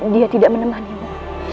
dia tidak menemani ibu